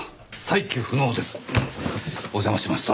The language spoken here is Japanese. お邪魔しました。